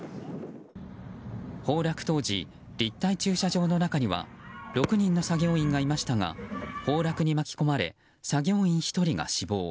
崩落当時、立体駐車場の中には６人の作業員がいましたが崩落に巻き込まれ作業員１人が死亡。